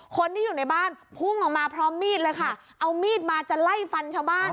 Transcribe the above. คนที่อยู่ในบ้านพุ่งออกมาพร้อมมีดเลยค่ะเอามีดมาจะไล่ฟันชาวบ้าน